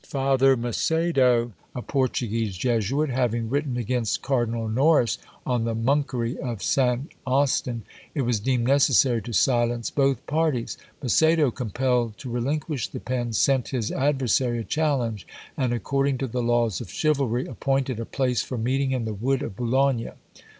Father Macedo, a Portuguese Jesuit, having written against Cardinal Noris, on the monkery of St. Austin, it was deemed necessary to silence both parties. Macedo, compelled to relinquish the pen, sent his adversary a challenge, and according to the laws of chivalry, appointed a place for meeting in the wood of Boulogne.